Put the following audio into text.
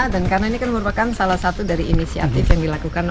dan karena yang merupakan salah satu dari inisiatif yang dilakukan